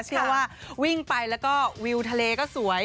เชื่อว่าวิ่งไปแล้วก็วิวทะเลก็สวย